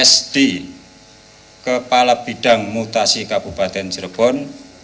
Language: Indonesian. sd kepala bidang mutasi kabupaten cirebon